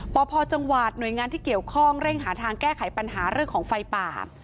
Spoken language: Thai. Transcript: พพจังหวัดหน่วยงานที่เกี่ยวข้องเร่งหาทางแก้ไขปัญหาเรื่องของไฟป่า